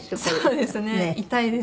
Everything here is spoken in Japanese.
そうです。